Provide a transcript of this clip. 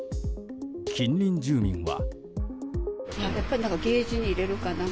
近隣住民は。